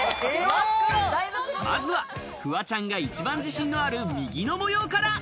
まずはフワちゃんが一番自信のある右の模様から。